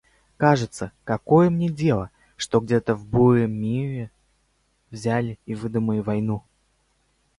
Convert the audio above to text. Кажется – какое мне дело, что где-то в буре-мире взяли и выдумали войну?